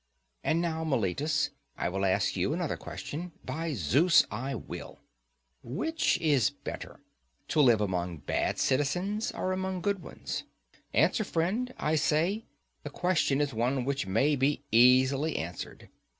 And now, Meletus, I will ask you another question—by Zeus I will: Which is better, to live among bad citizens, or among good ones? Answer, friend, I say; the question is one which may be easily answered.